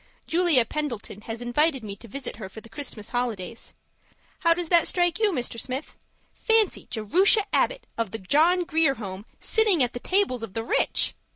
Julia Pendleton has invited me to visit her for the Christmas holidays. How does that strike you, Mr. Smith? Fancy Jerusha Abbott, of the John Grier Home, sitting at the tables of the rich.